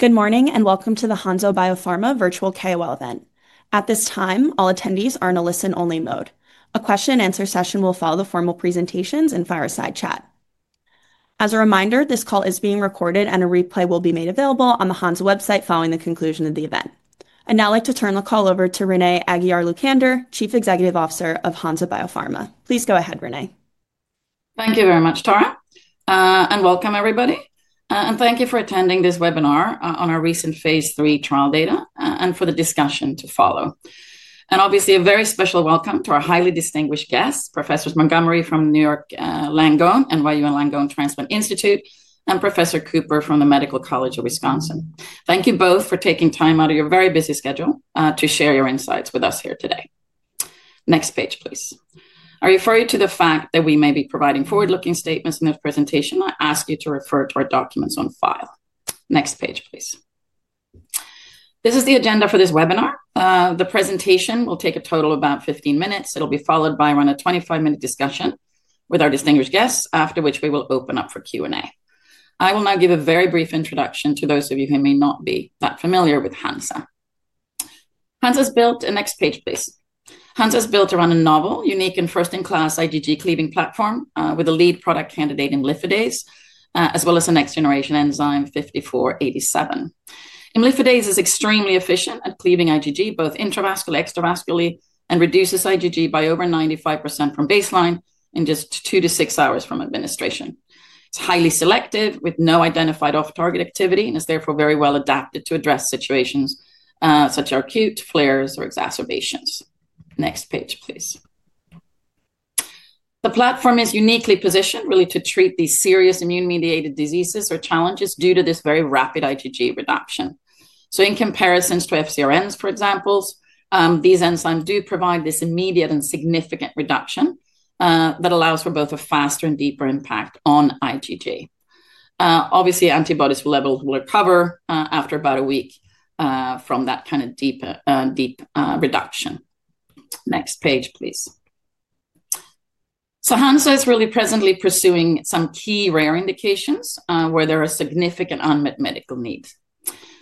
Good morning and welcome to the Hansa Biopharma Virtual KOL event. At this time, all attendees are in a listen-only mode. A question-and-answer session will follow the formal presentations and fireside chat. As a reminder, this call is being recorded and a replay will be made available on the Hansa website following the conclusion of the event. I'd now like to turn the call over to Renée Aguiar-Lucander, Chief Executive Officer of Hansa Biopharma. Please go ahead, Renée. Thank you very much, Tara, and welcome, everybody. Thank you for attending this webinar on our recent phase III trial data and for the discussion to follow. Obviously, a very special welcome to our highly distinguished guests, Professors Montgomery from New York Langone and New York Langone Transplant Institute, and Professor Cooper from the Medical College of Wisconsin. Thank you both for taking time out of your very busy schedule to share your insights with us here today. Next page, please. I refer you to the fact that we may be providing forward-looking statements in this presentation. I ask you to refer to our documents on file. Next page, please. This is the agenda for this webinar. The presentation will take a total of about 15 minutes. It'll be followed by around a 25-minute discussion with our distinguished guests, after which we will open up for Q&A. I will now give a very brief introduction to those of you who may not be that familiar with Hansa. Hansa's built, and next page, please. Hansa's built around a novel, unique, and first-in-class IgG cleaving platform with a lead product candidate in imlifidase, as well as a next-generation enzyme, 5487. And imlifidase is extremely efficient at cleaving IgG both intravascularly and extravascularly and reduces IgG by over 95% from baseline in just two to six hours from administration. It's highly selective with no identified off-target activity and is therefore very well adapted to address situations such as acute flares or exacerbations. Next page, please. The platform is uniquely positioned really to treat these serious immune-mediated diseases or challenges due to this very rapid IgG reduction. In comparisons to FcRn, for example, these enzymes do provide this immediate and significant reduction that allows for both a faster and deeper impact on IgG. Obviously, antibody levels will recover after about a week from that kind of deep reduction. Next page, please. Hansa is really presently pursuing some key rare indications where there are significant unmet medical needs.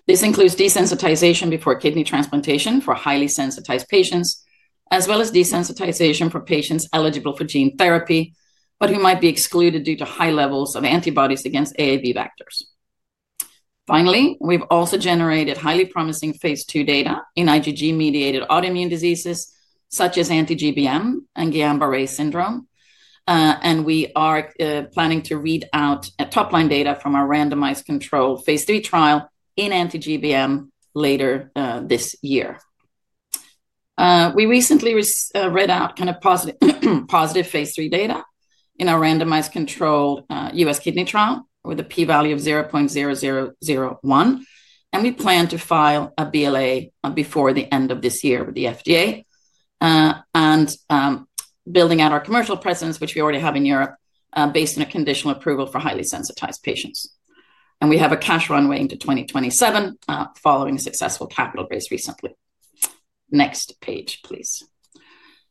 This includes desensitization before kidney transplantation for highly sensitized patients, as well as desensitization for patients eligible for gene therapy but who might be excluded due to high levels of antibodies against AAV vectors. Finally, we have also generated highly promising phase II data in IgG-mediated autoimmune diseases such as anti-GBM and Guillain-Barré syndrome. We are planning to read out top-line data from our randomized control phase III trial in anti-GBM later this year. We recently read out kind of positive phase III data in our randomized control US kidney trial with a p-value of 0.0001. We plan to file a BLA before the end of this year with the FDA and building out our commercial presence, which we already have in Europe, based on a conditional approval for highly sensitized patients. We have a cash runway into 2027 following a successful capital raise recently. Next page, please.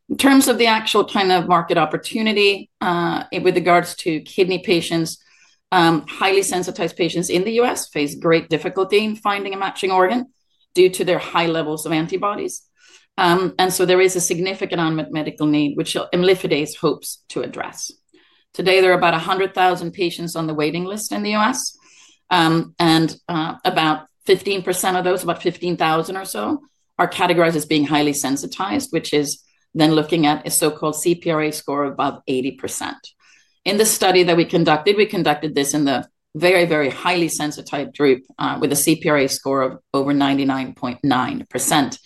In terms of the actual kind of market opportunity with regards to kidney patients, highly sensitized patients in the US face great difficulty in finding a matching organ due to their high levels of antibodies. There is a significant unmet medical need, which imlifidase hopes to address. Today, there are about 100,000 patients on the waiting list in the US. About 15% of those, about 15,000 or so, are categorized as being highly sensitized, which is then looking at a so-called CPRA score of above 80%. In the study that we conducted, we conducted this in the very, very highly sensitized group with a CPRA score of over 99.9%.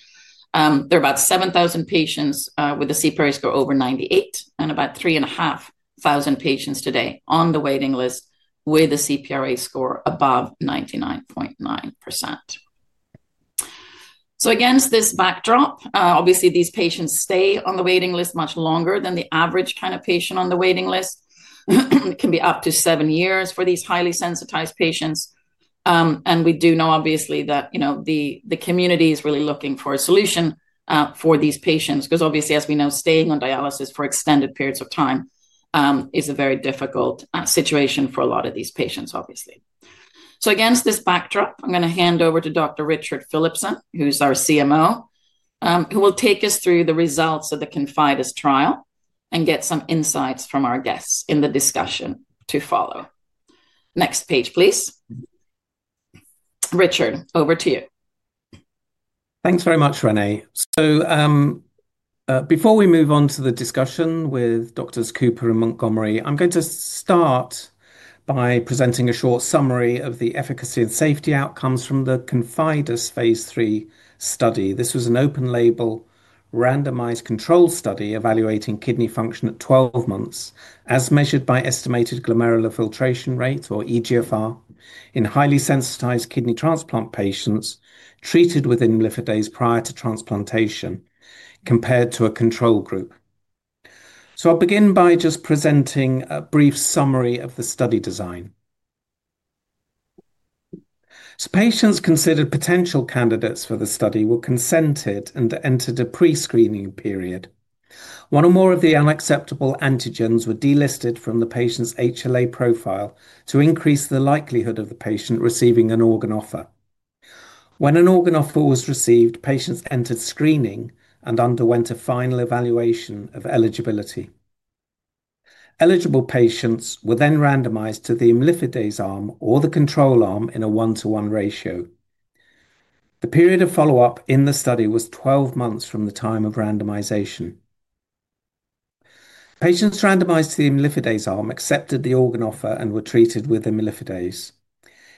There are about 7,000 patients with a CPRA score over 98 and about 3,500 patients today on the waiting list with a CPRA score above 99.9%. Against this backdrop, obviously, these patients stay on the waiting list much longer than the average kind of patient on the waiting list. It can be up to seven years for these highly sensitized patients. We do know, obviously, that the community is really looking for a solution for these patients because, obviously, as we know, staying on dialysis for extended periods of time is a very difficult situation for a lot of these patients, obviously. Against this backdrop, I'm going to hand over to Dr. Richard Phillips, who's our CMO, who will take us through the results of the ConfIdeS trial and get some insights from our guests in the discussion to follow. Next page, please. Richard, over to you. Thanks very much, Renée. Before we move on to the discussion with Doctors Cooper and Montgomery, I'm going to start by presenting a short summary of the efficacy and safety outcomes from the ConfIdeS phase III study. This was an open-label randomized control study evaluating kidney function at 12 months as measured by estimated glomerular filtration rate, or eGFR, in highly sensitized kidney transplant patients treated with imlifidase prior to transplantation compared to a control group. I'll begin by just presenting a brief summary of the study design. Patients considered potential candidates for the study were consented and entered a pre-screening period. One or more of the unacceptable antigens were delisted from the patient's HLA profile to increase the likelihood of the patient receiving an organ offer. When an organ offer was received, patients entered screening and underwent a final evaluation of eligibility. Eligible patients were then randomized to the imlifidase arm or the control arm in a one-to-one ratio. The period of follow-up in the study was 12 months from the time of randomization. Patients randomized to the imlifidase arm accepted the organ offer and were treated with imlifidase.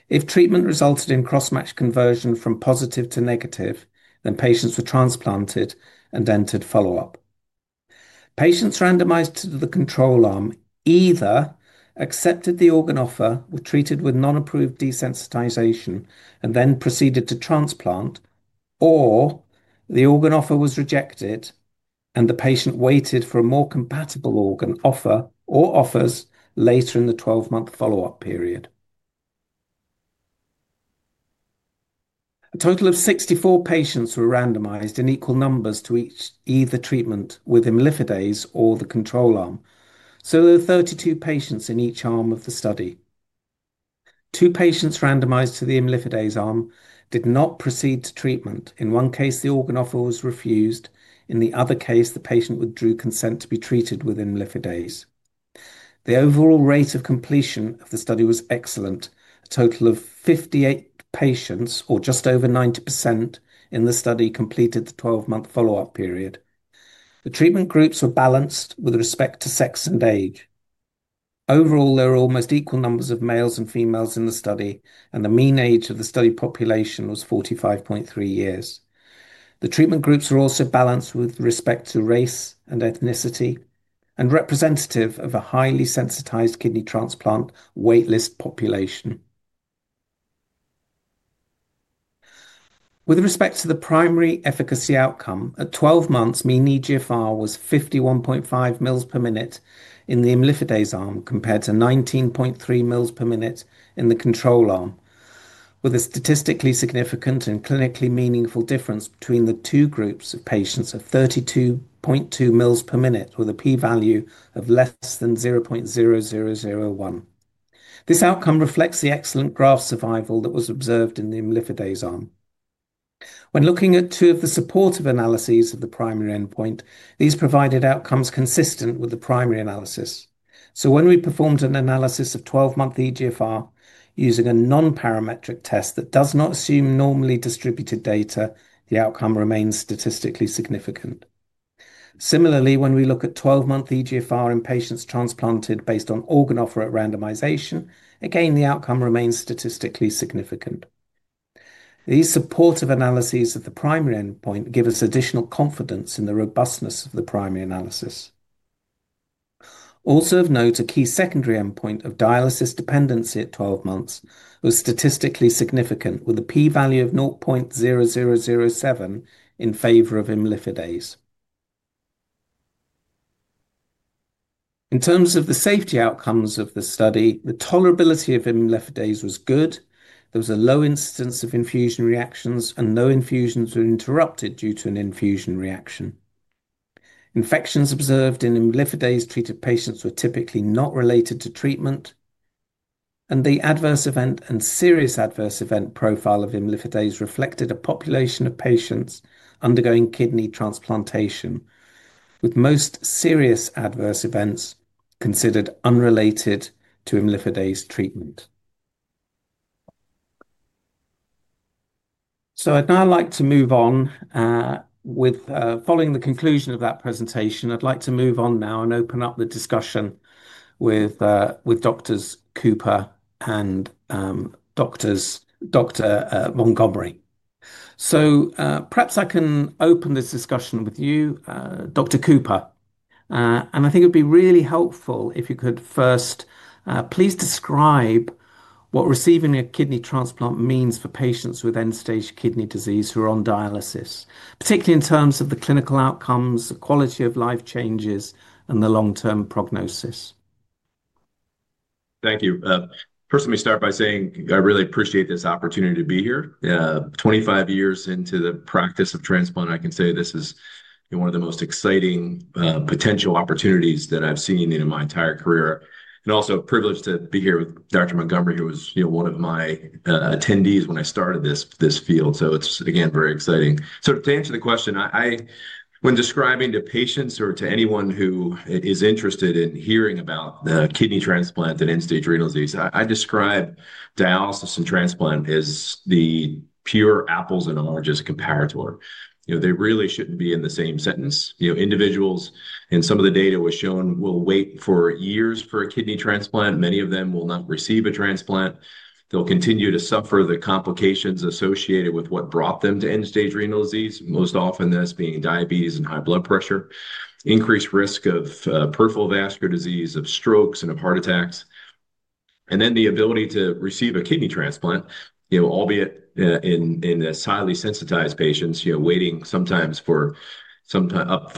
If treatment resulted in cross-match conversion from positive to negative, then patients were transplanted and entered follow-up. Patients randomized to the control arm either accepted the organ offer, were treated with non-approved desensitization, and then proceeded to transplant, or the organ offer was rejected and the patient waited for a more compatible organ offer or offers later in the 12-month follow-up period. A total of 64 patients were randomized in equal numbers to each either treatment with imlifidase or the control arm. There were 32 patients in each arm of the study. Two patients randomized to the imlifidase arm did not proceed to treatment. In one case, the organ offer was refused. In the other case, the patient withdrew consent to be treated with imlifidase. The overall rate of completion of the study was excellent. A total of 58 patients, or just over 90%, in the study completed the 12-month follow-up period. The treatment groups were balanced with respect to sex and age. Overall, there were almost equal numbers of males and females in the study, and the mean age of the study population was 45.3 years. The treatment groups were also balanced with respect to race and ethnicity and representative of a highly sensitized kidney transplant waitlist population. With respect to the primary efficacy outcome, at 12 months, mean eGFR was 51.5 mL/min in the imlifidase arm compared to 19.3 mL/min in the control arm, with a statistically significant and clinically meaningful difference between the two groups of patients of 32.2 mL/min with a p-value of less than 0.0001. This outcome reflects the excellent graft survival that was observed in the imlifidase arm. When looking at two of the supportive analyses of the primary endpoint, these provided outcomes consistent with the primary analysis. When we performed an analysis of 12-month eGFR using a non-parametric test that does not assume normally distributed data, the outcome remains statistically significant. Similarly, when we look at 12-month eGFR in patients transplanted based on organ offer at randomization, again, the outcome remains statistically significant. These supportive analyses of the primary endpoint give us additional confidence in the robustness of the primary analysis. Also of note, a key secondary endpoint of dialysis dependency at 12 months was statistically significant with a p-value of 0.0007 in favor of imlifidase. In terms of the safety outcomes of the study, the tolerability of imlifidase was good. There was a low incidence of infusion reactions, and no infusions were interrupted due to an infusion reaction. Infections observed in imlifidase-treated patients were typically not related to treatment. The adverse event and serious adverse event profile of imlifidase reflected a population of patients undergoing kidney transplantation, with most serious adverse events considered unrelated to imlifidase treatment. I'd now like to move on. Following the conclusion of that presentation, I'd like to move on now and open up the discussion with Dr. Cooper and Dr. Montgomery. Perhaps I can open this discussion with you, Dr. Cooper. I think it would be really helpful if you could first please describe what receiving a kidney transplant means for patients with end-stage kidney disease who are on dialysis, particularly in terms of the clinical outcomes, the quality of life changes, and the long-term prognosis. Thank you. First, let me start by saying I really appreciate this opportunity to be here. Twenty-five years into the practice of transplant, I can say this is one of the most exciting potential opportunities that I've seen in my entire career. It is also a privilege to be here with Dr. Montgomery, who was one of my attendees when I started in this field. It is, again, very exciting. To answer the question, when describing to patients or to anyone who is interested in hearing about the kidney transplant and end-stage renal disease, I describe dialysis and transplant as the pure apples and oranges comparator. They really should not be in the same sentence. Individuals, in some of the data we've shown, will wait for years for a kidney transplant. Many of them will not receive a transplant. They'll continue to suffer the complications associated with what brought them to end-stage renal disease, most often this being diabetes and high blood pressure, increased risk of peripheral vascular disease, of strokes, and of heart attacks. The ability to receive a kidney transplant, albeit in these highly sensitized patients, waiting sometimes for up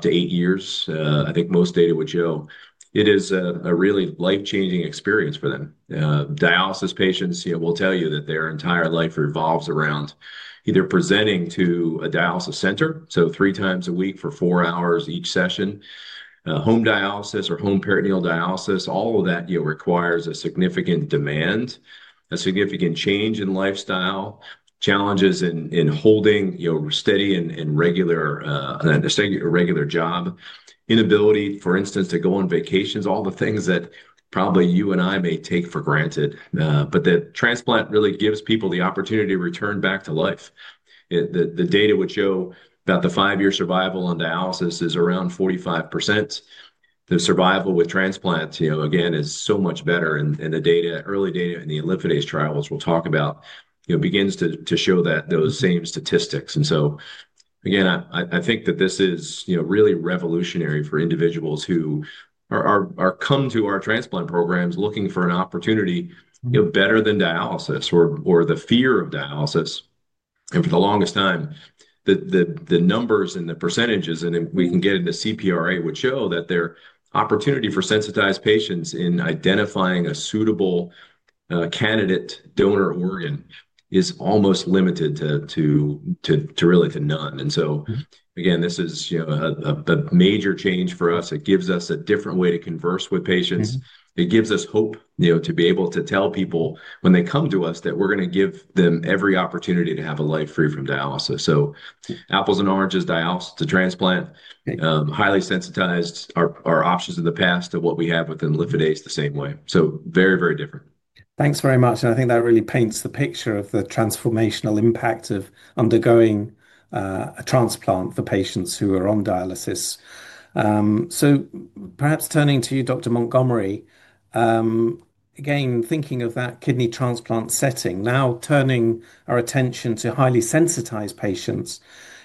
to eight years, I think most data would show, it is a really life-changing experience for them. Dialysis patients will tell you that their entire life revolves around either presenting to a dialysis center, three times a week for four hours each session, home dialysis or home peritoneal dialysis. All of that requires a significant demand, a significant change in lifestyle, challenges in holding a steady and regular job, inability, for instance, to go on vacations, all the things that probably you and I may take for granted. The transplant really gives people the opportunity to return back to life. The data would show about the five-year survival on dialysis is around 45%. The survival with transplant, again, is so much better. The early data in the imlifidase trials, we'll talk about, begins to show those same statistics. I think that this is really revolutionary for individuals who come to our transplant programs looking for an opportunity better than dialysis or the fear of dialysis. For the longest time, the numbers and the percentages, and we can get into CPRA, would show that their opportunity for sensitized patients in identifying a suitable candidate donor organ is almost limited to really to none. This is a major change for us. It gives us a different way to converse with patients. It gives us hope to be able to tell people when they come to us that we're going to give them every opportunity to have a life free from dialysis. Apples and oranges, dialysis to transplant, highly sensitized are options in the past to what we have with imlifidase the same way. Very, very different. Thanks very much. I think that really paints the picture of the transformational impact of undergoing a transplant for patients who are on dialysis. Perhaps turning to you, Dr. Montgomery, again, thinking of that kidney transplant setting, now turning our attention to highly sensitized patients,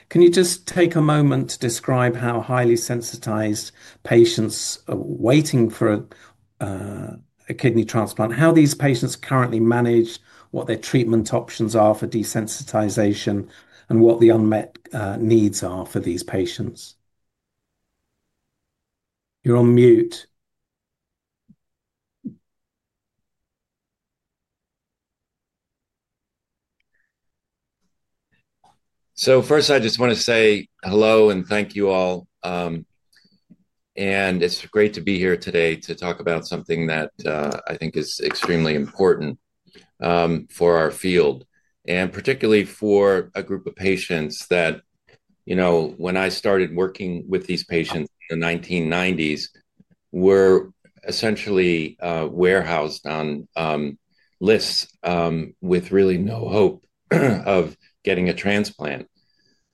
can you just take a moment to describe how highly sensitized patients waiting for a kidney transplant, how these patients currently manage, what their treatment options are for desensitization, and what the unmet needs are for these patients? You're on mute. First, I just want to say hello and thank you all. It's great to be here today to talk about something that I think is extremely important for our field, and particularly for a group of patients that, when I started working with these patients in the 1990s, were essentially warehoused on lists with really no hope of getting a transplant.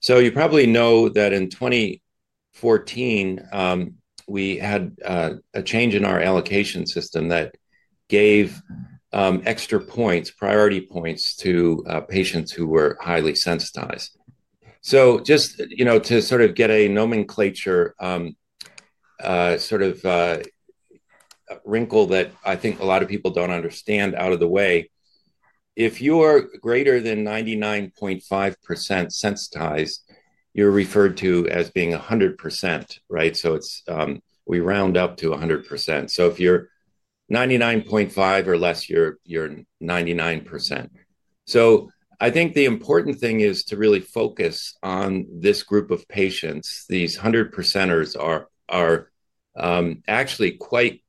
You probably know that in 2014, we had a change in our allocation system that gave extra points, priority points, to patients who were highly sensitized. Just to sort of get a nomenclature sort of wrinkle that I think a lot of people don't understand out of the way, if you're greater than 99.5% sensitized, you're referred to as being 100%, right? We round up to 100%. If you're 99.5% or less, you're 99%. I think the important thing is to really focus on this group of patients. These 100%ers are actually quite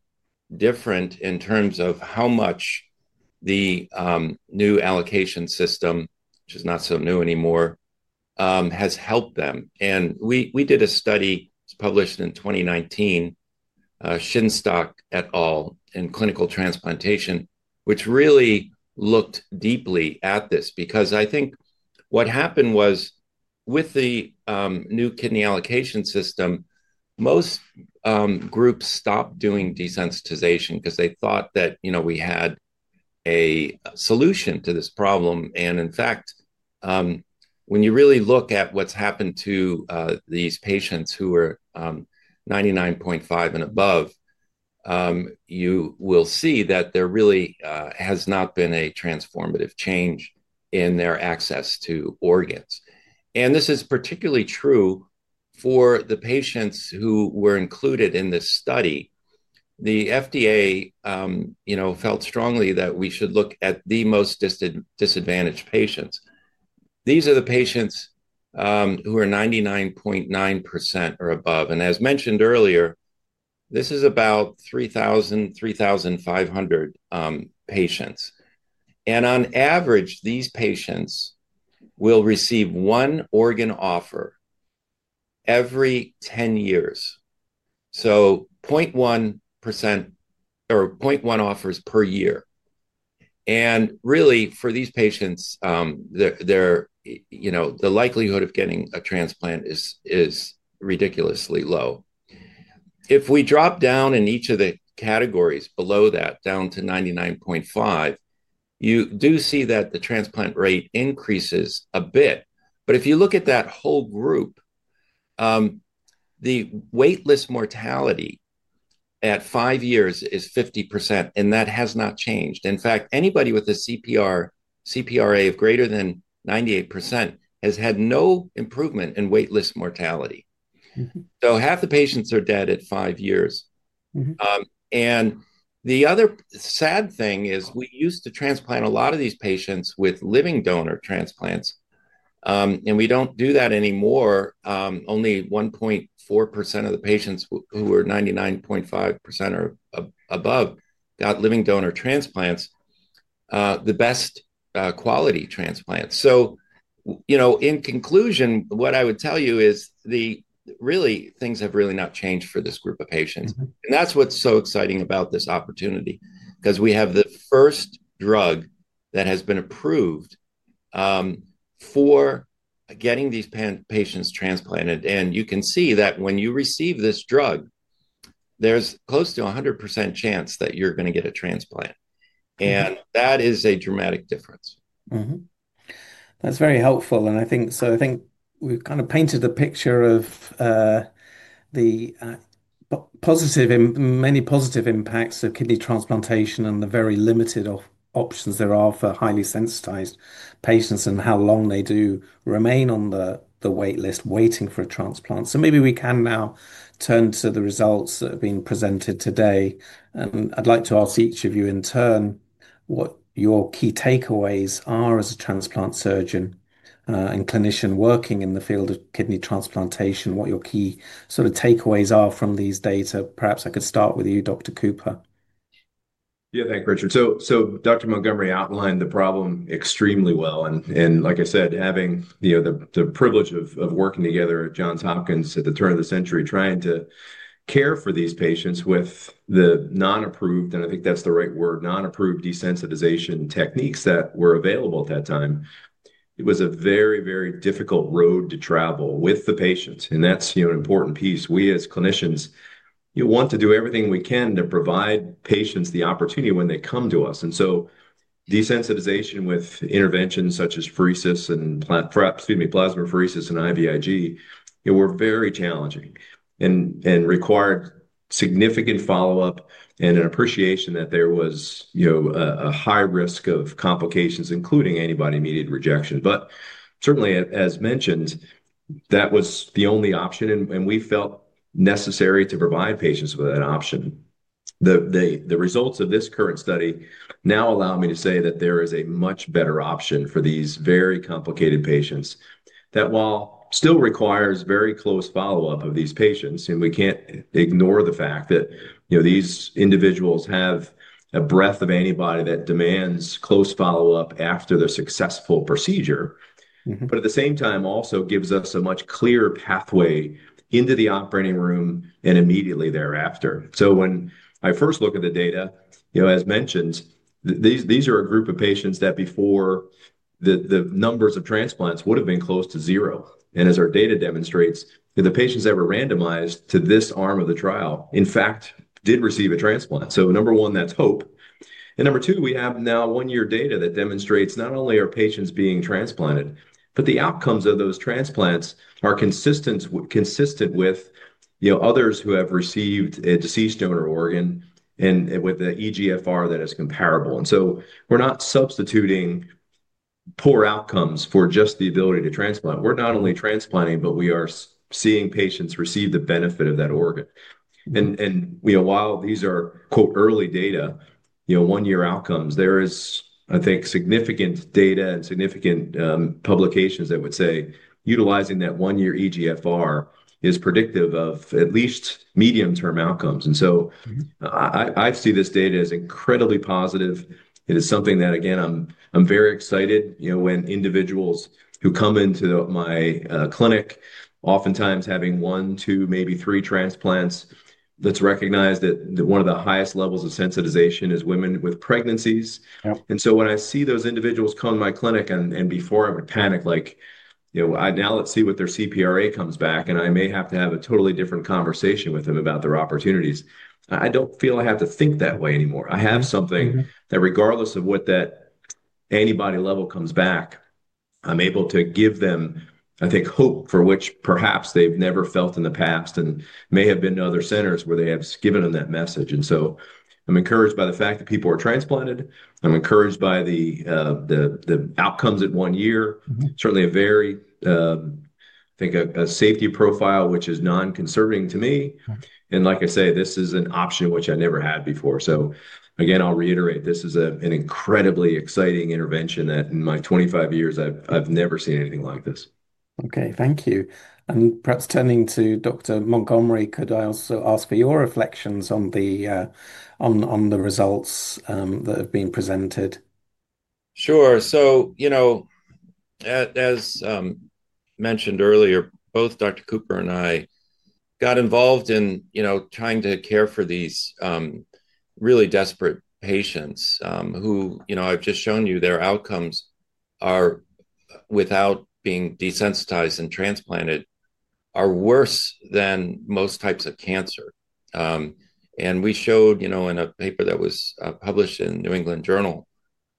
different in terms of how much the new allocation system, which is not so new anymore, has helped them. We did a study published in 2019, Schinstock et al. in Clinical Transplantation, which really looked deeply at this because I think what happened was with the new kidney allocation system, most groups stopped doing desensitization because they thought that we had a solution to this problem. In fact, when you really look at what's happened to these patients who are 99.5% and above, you will see that there really has not been a transformative change in their access to organs. This is particularly true for the patients who were included in this study. The FDA felt strongly that we should look at the most disadvantaged patients. These are the patients who are 99.9% or above. As mentioned earlier, this is about 3,000-3,500 patients. On average, these patients will receive one organ offer every 10 years, so 0.1 offers per year. Really, for these patients, the likelihood of getting a transplant is ridiculously low. If we drop down in each of the categories below that, down to 99.5%, you do see that the transplant rate increases a bit. If you look at that whole group, the waitlist mortality at five years is 50%, and that has not changed. In fact, anybody with a CPRA of greater than 98% has had no improvement in waitlist mortality. Half the patients are dead at five years. The other sad thing is we used to transplant a lot of these patients with living donor transplants, and we do not do that anymore. Only 1.4% of the patients who are 99.5% or above got living donor transplants, the best quality transplants. In conclusion, what I would tell you is really things have really not changed for this group of patients. That is what's so exciting about this opportunity because we have the first drug that has been approved for getting these patients transplanted. You can see that when you receive this drug, there's close to 100% chance that you're going to get a transplant. That is a dramatic difference. That's very helpful. I think we've kind of painted the picture of the many positive impacts of kidney transplantation and the very limited options there are for highly sensitized patients and how long they do remain on the waitlist waiting for a transplant. Maybe we can now turn to the results that have been presented today. I'd like to ask each of you in turn what your key takeaways are as a transplant surgeon and clinician working in the field of kidney transplantation, what your key sort of takeaways are from these data. Perhaps I could start with you, Dr. Cooper. Yeah, thanks, Richard. Dr. Montgomery outlined the problem extremely well. Like I said, having the privilege of working together at Johns Hopkins at the turn of the century, trying to care for these patients with the non-approved, and I think that's the right word, non-approved desensitization techniques that were available at that time, it was a very, very difficult road to travel with the patients. That's an important piece. We as clinicians want to do everything we can to provide patients the opportunity when they come to us. Desensitization with interventions such as pheresis and plasmapheresis and IVIg were very challenging and required significant follow-up and an appreciation that there was a high risk of complications, including antibody-mediated rejection. Certainly, as mentioned, that was the only option, and we felt necessary to provide patients with that option. The results of this current study now allow me to say that there is a much better option for these very complicated patients that, while still requires very close follow-up of these patients, and we can't ignore the fact that these individuals have a breadth of antibody that demands close follow-up after the successful procedure, at the same time also gives us a much clearer pathway into the operating room and immediately thereafter. When I first look at the data, as mentioned, these are a group of patients that before the numbers of transplants would have been close to zero. As our data demonstrates, the patients that were randomized to this arm of the trial, in fact, did receive a transplant. Number one, that's hope. Number two, we have now one-year data that demonstrates not only are patients being transplanted, but the outcomes of those transplants are consistent with others who have received a deceased donor organ and with an eGFR that is comparable. We are not substituting poor outcomes for just the ability to transplant. We are not only transplanting, but we are seeing patients receive the benefit of that organ. While these are "early data," one-year outcomes, there is, I think, significant data and significant publications that would say utilizing that one-year eGFR is predictive of at least medium-term outcomes. I see this data as incredibly positive. It is something that, again, I am very excited when individuals who come into my clinic, oftentimes having one, two, maybe three transplants, let's recognize that one of the highest levels of sensitization is women with pregnancies. When I see those individuals come to my clinic, and before I would panic, like, "Now let's see what their CPRA comes back," and I may have to have a totally different conversation with them about their opportunities. I do not feel I have to think that way anymore. I have something that regardless of what that antibody level comes back, I am able to give them, I think, hope for which perhaps they have never felt in the past and may have been to other centers where they have given them that message. I am encouraged by the fact that people are transplanted. I am encouraged by the outcomes at one year, certainly a very, I think, a safety profile, which is non-conserving to me. Like I say, this is an option which I never had before. Again, I'll reiterate, this is an incredibly exciting intervention that in my 25 years, I've never seen anything like this. Okay, thank you. Perhaps turning to Dr. Montgomery, could I also ask for your reflections on the results that have been presented? Sure. As mentioned earlier, both Dr. Cooper and I got involved in trying to care for these really desperate patients who I've just shown you their outcomes are, without being desensitized and transplanted, are worse than most types of cancer. We showed in a paper that was published in the New England Journal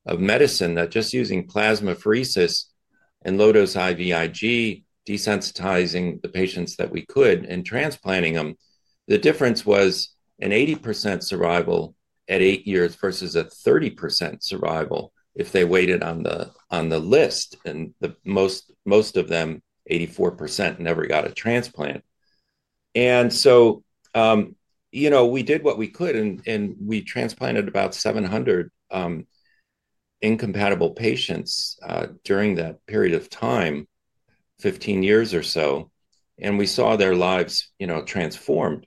of Medicine that just using plasmapheresis and low-dose IVIg, desensitizing the patients that we could and transplanting them, the difference was an 80% survival at eight years versus a 30% survival if they waited on the list. Most of them, 84%, never got a transplant. We did what we could, and we transplanted about 700 incompatible patients during that period of time, 15 years or so. We saw their lives transformed.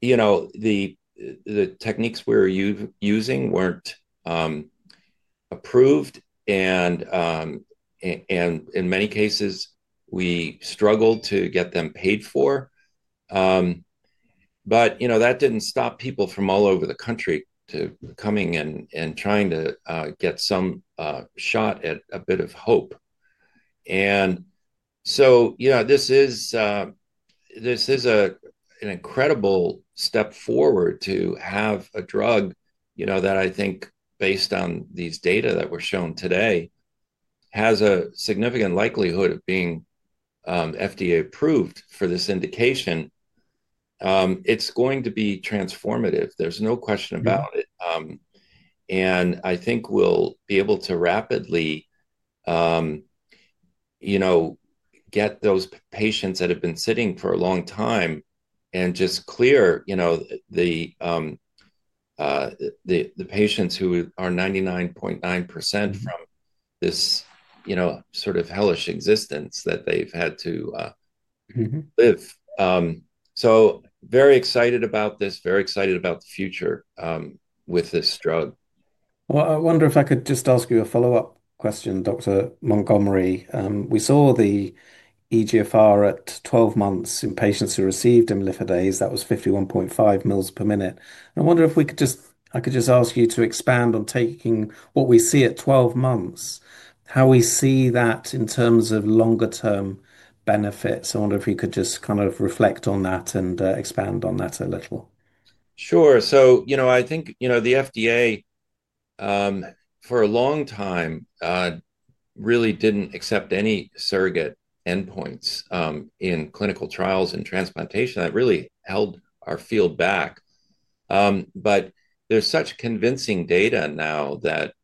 The techniques we were using were not approved. In many cases, we struggled to get them paid for. That did not stop people from all over the country coming and trying to get some shot at a bit of hope. This is an incredible step forward to have a drug that I think, based on these data that were shown today, has a significant likelihood of being FDA-approved for this indication. It is going to be transformative. There is no question about it. I think we will be able to rapidly get those patients that have been sitting for a long time and just clear the patients who are 99.9% from this sort of hellish existence that they have had to live. Very excited about this, very excited about the future with this drug. I wonder if I could just ask you a follow-up question, Dr. Montgomery. We saw the eGFR at 12 months in patients who received imlifidase. That was 51.5 mL per minute. I wonder if I could just ask you to expand on taking what we see at 12 months, how we see that in terms of longer-term benefits. I wonder if you could just kind of reflect on that and expand on that a little. Sure. So I think the FDA for a long time really did not accept any surrogate endpoints in clinical trials and transplantation. That really held our field back. There is such convincing data now that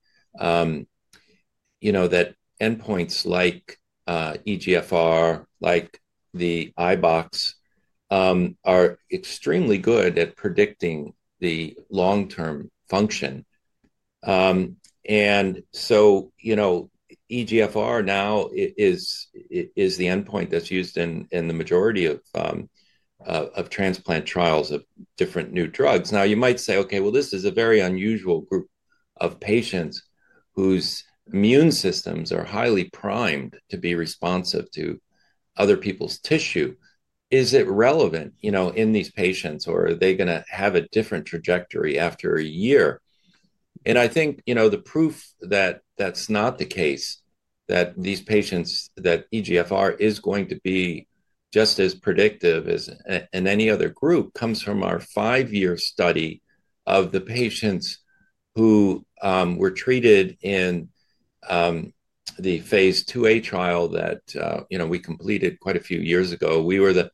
endpoints like eGFR, like the iBox, are extremely good at predicting the long-term function. eGFR now is the endpoint that is used in the majority of transplant trials of different new drugs. You might say, "Okay, well, this is a very unusual group of patients whose immune systems are highly primed to be responsive to other people's tissue. Is it relevant in these patients, or are they going to have a different trajectory after a year? I think the proof that that's not the case, that these patients, that eGFR is going to be just as predictive as any other group, comes from our five-year study of the patients who were treated in the phase 2a trial that we completed quite a few years ago. We were the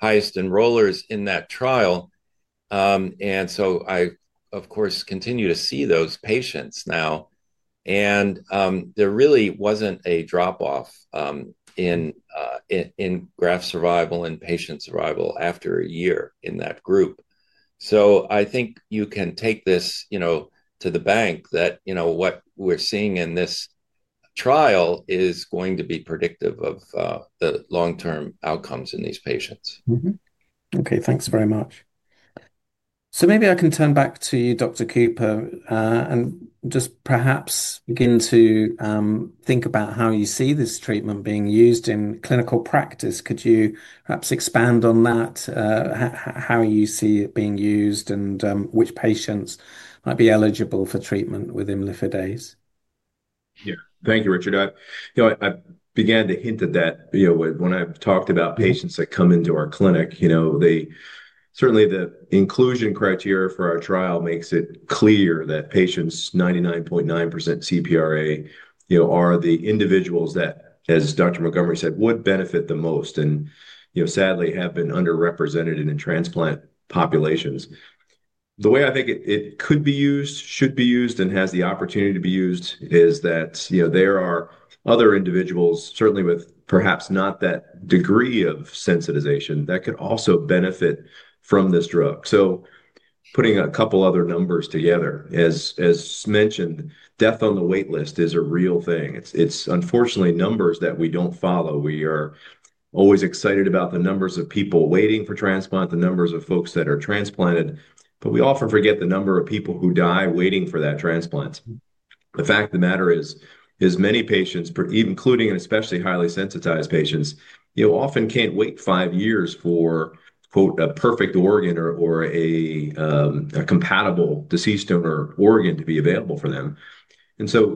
highest enrollers in that trial. I, of course, continue to see those patients now. There really wasn't a drop-off in graft survival and patient survival after a year in that group. I think you can take this to the bank that what we're seeing in this trial is going to be predictive of the long-term outcomes in these patients. Okay, thanks very much. Maybe I can turn back to you, Dr. Cooper, and just perhaps begin to think about how you see this treatment being used in clinical practice. Could you perhaps expand on that, how you see it being used and which patients might be eligible for treatment with imlifidase? Yeah, thank you, Richard. I began to hint at that when I've talked about patients that come into our clinic. Certainly, the inclusion criteria for our trial makes it clear that patients 99.9% CPRA are the individuals that, as Dr. Montgomery said, would benefit the most and sadly have been underrepresented in the transplant populations. The way I think it could be used, should be used, and has the opportunity to be used is that there are other individuals, certainly with perhaps not that degree of sensitization, that could also benefit from this drug. Putting a couple of other numbers together, as mentioned, death on the waitlist is a real thing. It's unfortunately numbers that we don't follow. We are always excited about the numbers of people waiting for transplant, the numbers of folks that are transplanted, but we often forget the number of people who die waiting for that transplant. The fact of the matter is many patients, including especially highly sensitized patients, often can't wait five years for "a perfect organ" or a compatible deceased donor organ to be available for them.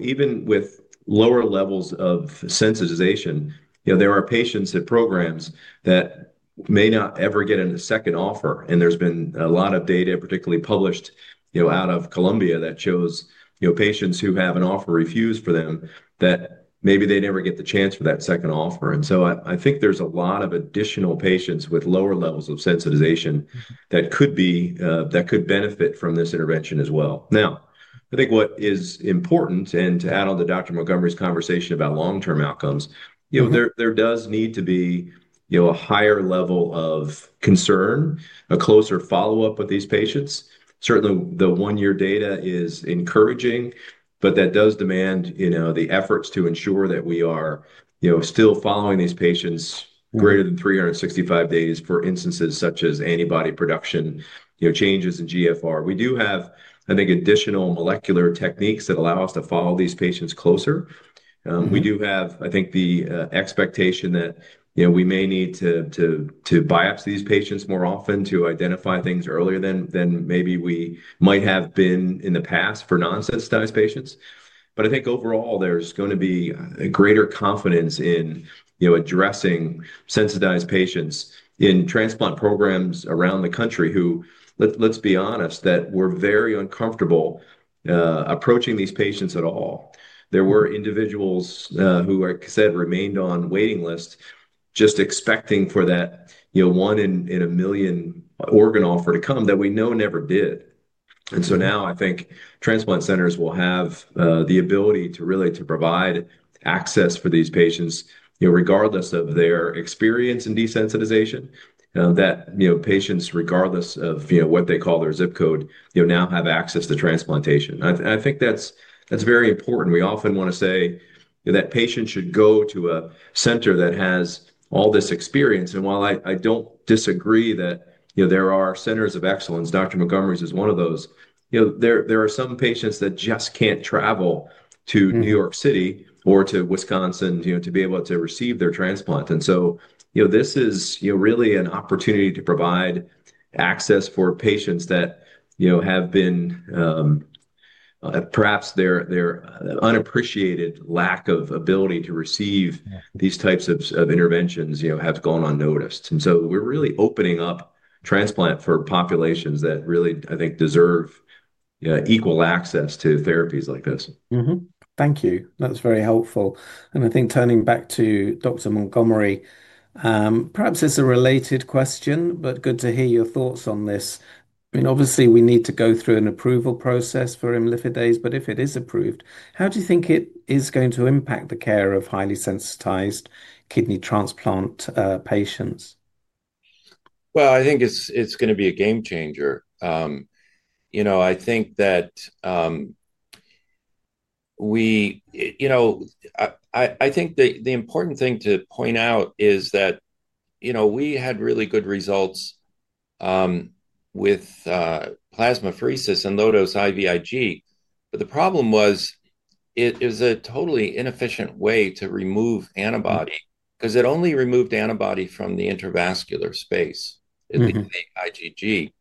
Even with lower levels of sensitization, there are patients at programs that may not ever get a second offer. There has been a lot of data particularly published out of Columbia that shows patients who have an offer refused for them that maybe they never get the chance for that second offer. I think there's a lot of additional patients with lower levels of sensitization that could benefit from this intervention as well. Now, I think what is important, and to add on to Dr. Montgomery's conversation about long-term outcomes, there does need to be a higher level of concern, a closer follow-up with these patients. Certainly, the one-year data is encouraging, but that does demand the efforts to ensure that we are still following these patients greater than 365 days for instances such as antibody production changes in GFR. We do have, I think, additional molecular techniques that allow us to follow these patients closer. We do have, I think, the expectation that we may need to biopsy these patients more often to identify things earlier than maybe we might have been in the past for non-sensitized patients. I think overall, there's going to be a greater confidence in addressing sensitized patients in transplant programs around the country who, let's be honest, were very uncomfortable approaching these patients at all. There were individuals who, like I said, remained on waiting lists just expecting for that one-in-a-million organ offer to come that we know never did. Now I think transplant centers will have the ability to really provide access for these patients regardless of their experience in desensitization, that patients, regardless of what they call their zip code, now have access to transplantation. I think that's very important. We often want to say that patients should go to a center that has all this experience. While I don't disagree that there are centers of excellence, Dr. Montgomery's is one of those, there are some patients that just can't travel to New York City or to Wisconsin to be able to receive their transplant. This is really an opportunity to provide access for patients that have been, perhaps, their unappreciated lack of ability to receive these types of interventions has gone unnoticed. We are really opening up transplant for populations that really, I think, deserve equal access to therapies like this. Thank you. That's very helpful. I think turning back to Dr. Montgomery, perhaps it's a related question, but good to hear your thoughts on this. I mean, obviously, we need to go through an approval process for imlifidase, but if it is approved, how do you think it is going to impact the care of highly sensitized kidney transplant patients? I think it's going to be a game changer. I think the important thing to point out is that we had really good results with plasmapheresis and low-dose IVIg. The problem was it is a totally inefficient way to remove antibody because it only removed antibody from the intravascular space, the IgG.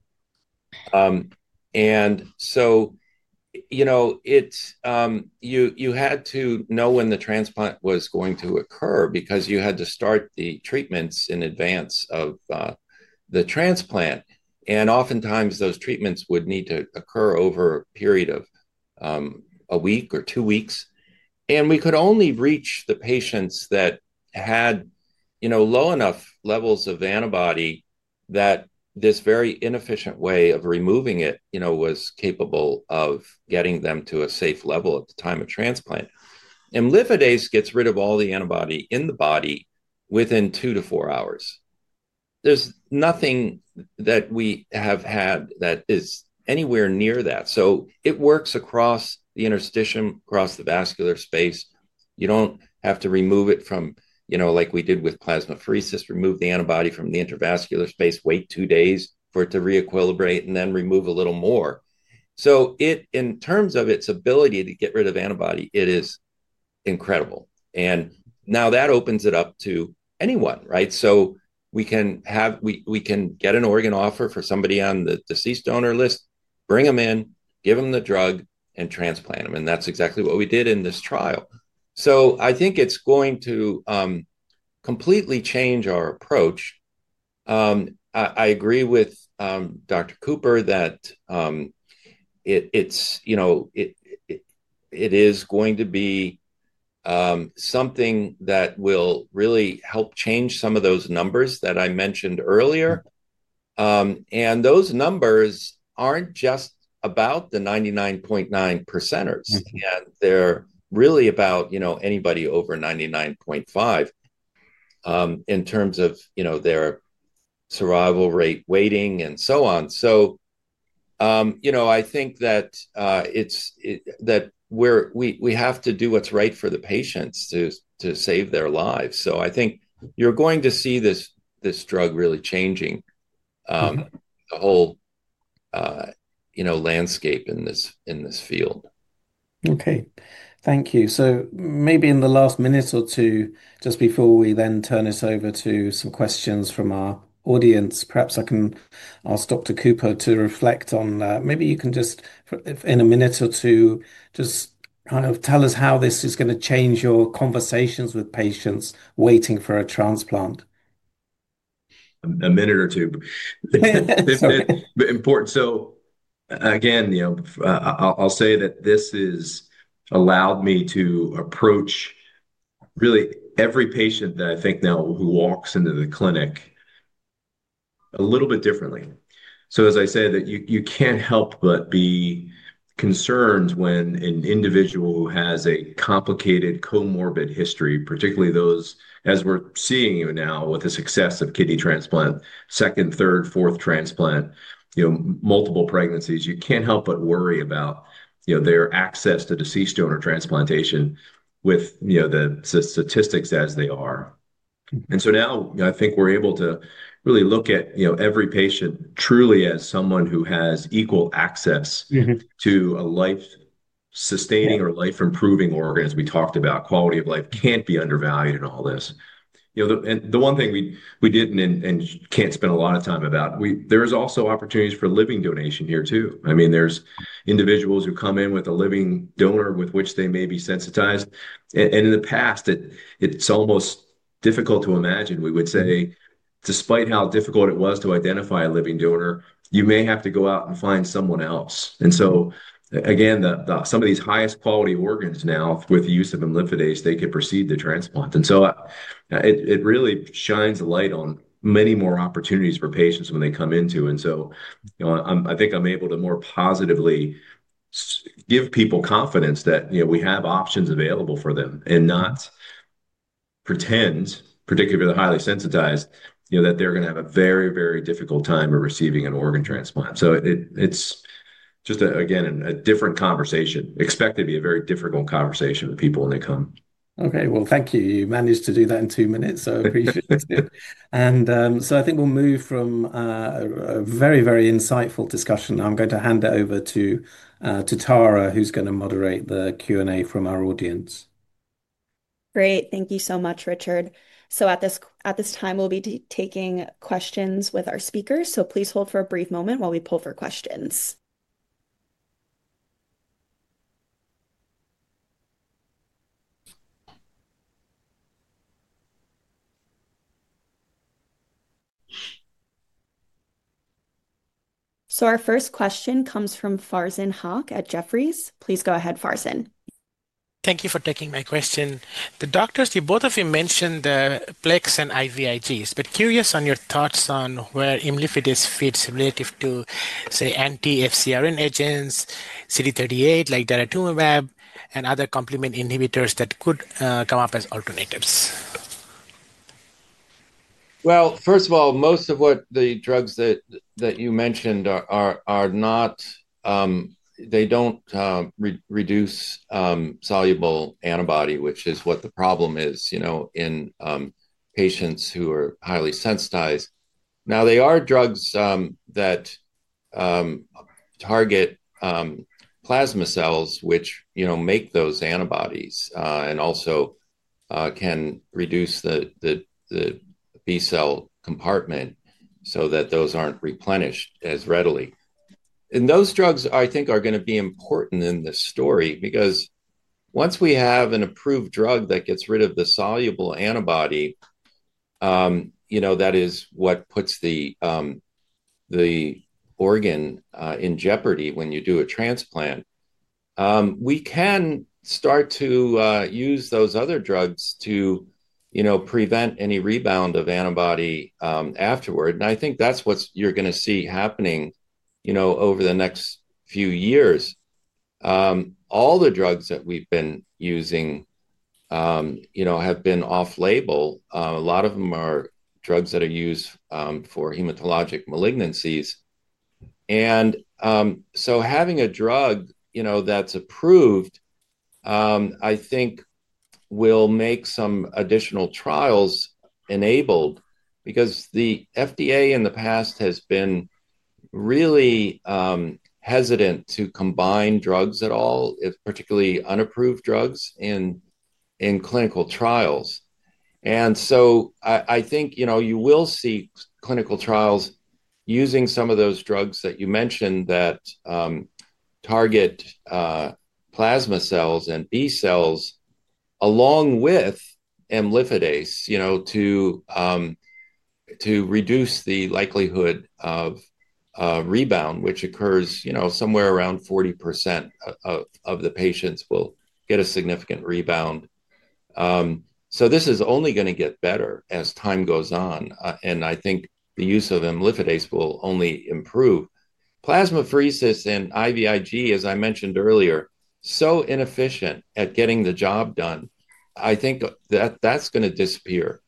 You had to know when the transplant was going to occur because you had to start the treatments in advance of the transplant. Oftentimes, those treatments would need to occur over a period of a week or two weeks. We could only reach the patients that had low enough levels of antibody that this very inefficient way of removing it was capable of getting them to a safe level at the time of transplant. Imlifidase gets rid of all the antibody in the body within two to four hours. There's nothing that we have had that is anywhere near that. It works across the interstitium, across the vascular space. You don't have to remove it from, like we did with plasmapheresis, remove the antibody from the intravascular space, wait two days for it to re-equilibrate, and then remove a little more. In terms of its ability to get rid of antibody, it is incredible. Now that opens it up to anyone, right? We can get an organ offer for somebody on the deceased donor list, bring them in, give them the drug, and transplant them. That's exactly what we did in this trial. I think it's going to completely change our approach. I agree with Dr. Cooper that it is going to be something that will really help change some of those numbers that I mentioned earlier. Those numbers are not just about the 99.9%ers. They are really about anybody over 99.5% in terms of their survival rate waiting and so on. I think that we have to do what is right for the patients to save their lives. I think you are going to see this drug really changing the whole landscape in this field. Okay, thank you. Maybe in the last minute or two, just before we then turn this over to some questions from our audience, perhaps I can ask Dr. Cooper to reflect on that. Maybe you can just, in a minute or two, just kind of tell us how this is going to change your conversations with patients waiting for a transplant. A minute or two. Important. Again, I'll say that this has allowed me to approach really every patient that I think now who walks into the clinic a little bit differently. As I said, you can't help but be concerned when an individual who has a complicated comorbid history, particularly those, as we're seeing now with the success of kidney transplant, second, third, fourth transplant, multiple pregnancies, you can't help but worry about their access to deceased donor transplantation with the statistics as they are. Now I think we're able to really look at every patient truly as someone who has equal access to a life-sustaining or life-improving organ, as we talked about. Quality of life can't be undervalued in all this. The one thing we didn't and can't spend a lot of time about, there's also opportunities for living donation here too. I mean, there's individuals who come in with a living donor with which they may be sensitized. In the past, it's almost difficult to imagine. We would say, despite how difficult it was to identify a living donor, you may have to go out and find someone else. Again, some of these highest quality organs now, with the use of imlifidase, they could proceed to transplant. It really shines a light on many more opportunities for patients when they come in. I think I'm able to more positively give people confidence that we have options available for them and not pretend, particularly with the highly sensitized, that they're going to have a very, very difficult time of receiving an organ transplant. It's just, again, a different conversation. Expect to be a very difficult conversation with people when they come. Okay, thank you. You managed to do that in two minutes. I appreciate it. I think we'll move from a very, very insightful discussion. I'm going to hand it over to Tara, who's going to moderate the Q&A from our audience. Great. Thank you so much, Richard. At this time, we will be taking questions with our speakers. Please hold for a brief moment while we pull for questions. Our first question comes from Farzin Haque at Jefferies. Please go ahead, Farzin. Thank you for taking my question. The doctors, both of you mentioned PLEX and IVIg, but curious on your thoughts on where imlifidase fits relative to, say, anti-FcRn agents, CD38 like daratumumab, and other complement inhibitors that could come up as alternatives. First of all, most of what the drugs that you mentioned are not, they do not reduce soluble antibody, which is what the problem is in patients who are highly sensitized. They are drugs that target plasma cells, which make those antibodies and also can reduce the B cell compartment so that those are not replenished as readily. Those drugs, I think, are going to be important in this story because once we have an approved drug that gets rid of the soluble antibody, that is what puts the organ in jeopardy when you do a transplant, we can start to use those other drugs to prevent any rebound of antibody afterward. I think that is what you are going to see happening over the next few years. All the drugs that we have been using have been off-label. A lot of them are drugs that are used for hematologic malignancies. Having a drug that's approved, I think, will make some additional trials enabled because the FDA in the past has been really hesitant to combine drugs at all, particularly unapproved drugs in clinical trials. I think you will see clinical trials using some of those drugs that you mentioned that target plasma cells and B cells along with imlifidase to reduce the likelihood of rebound, which occurs somewhere around 40% of the patients will get a significant rebound. This is only going to get better as time goes on. I think the use of imlifidase will only improve. Plasmapheresis and IVIg, as I mentioned earlier, are so inefficient at getting the job done, I think that that's going to disappear.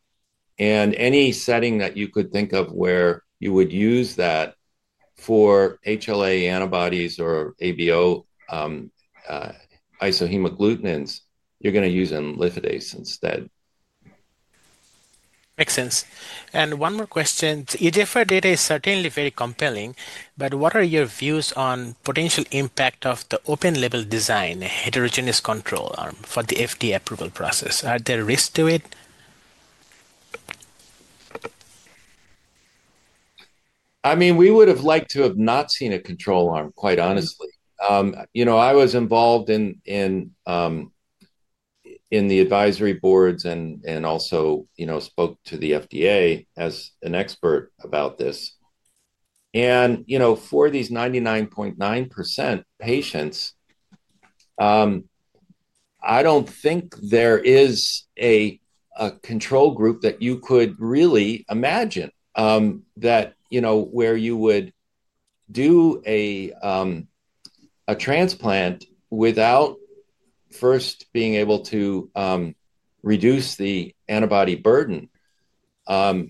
Any setting that you could think of where you would use that for HLA antibodies or ABO isohemagglutinins, you're going to use imlifidase instead. Makes sense. One more question. eGFR data is certainly very compelling, but what are your views on the potential impact of the open-label design, heterogeneous control arm for the FDA approval process? Are there risks to it? I mean, we would have liked to have not seen a control arm, quite honestly. I was involved in the advisory boards and also spoke to the FDA as an expert about this. For these 99.9% patients, I do not think there is a control group that you could really imagine where you would do a transplant without first being able to reduce the antibody burden. The